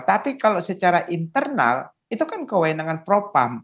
tapi kalau secara internal itu kan kewenangan propam